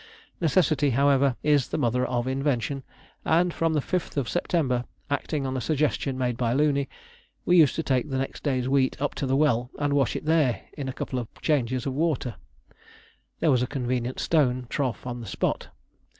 Necessity, however, is the mother of invention, and from the 5th September, acting on a suggestion made by Looney, we used to take the next day's wheat up to the well and wash it there in a couple of changes of water. There was a convenient stone trough on the spot.